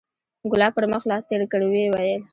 ګلاب پر مخ لاس تېر کړ ويې ويل.